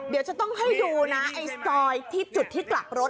เดี๋ยวจะต้องให้ดูนะไอ้ซอยที่จุดที่กลับรถ